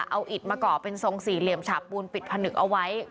เอาอิดมาก่อเป็นทรงสี่เหลี่ยมฉาบปูนปิดผนึกเอาไว้